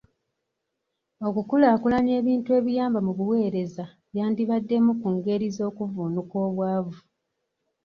Okukulaakulanya ebintu ebiyamba mu buweereza yandibadde emu ku ngeri z'okuvvuunuka obwavu.